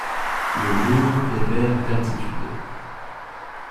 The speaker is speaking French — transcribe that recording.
Le bourg est vers d'altitude.